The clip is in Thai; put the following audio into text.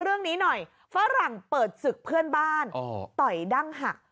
เรื่องนี้หน่อยฝรั่งเปิดศึกเพื่อนบ้านต่อยดั้งหัก